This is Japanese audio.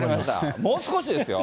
もう少しですよ。